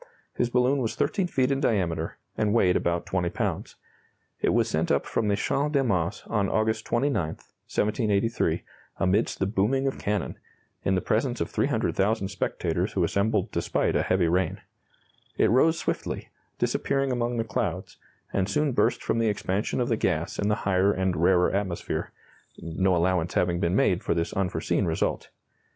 His balloon was 13 feet in diameter, and weighed about 20 pounds. It was sent up from the Champ de Mars on August 29, 1783, amidst the booming of cannon, in the presence of 300,000 spectators who assembled despite a heavy rain. It rose swiftly, disappearing among the clouds, and soon burst from the expansion of the gas in the higher and rarer atmosphere no allowance having been made for this unforeseen result.